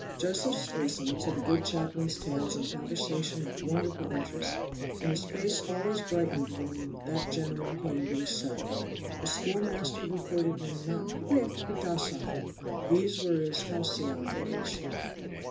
Josephs listened to the good chaplain's tales and conversation with wonderful interest, and his face always brightened when that gentleman came into his cell. The schoolmaster reported him not quick, but docile. These were his halcyon days.